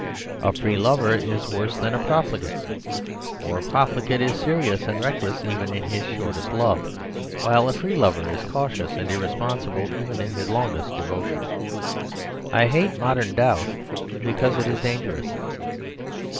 A Free Lover is worse than a profligate. For a profligate is serious and reckless even in his shortest love; while a Free Lover is cautious and irresponsible even in his longest devotion. I hate modern doubt because it is dangerous."